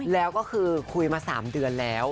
แล้วก็คือคุยมา๓เดือนแล้ว